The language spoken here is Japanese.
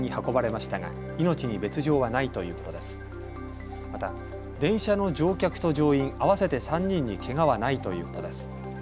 また、電車の乗客と乗員合わせて３人にけがはないということです。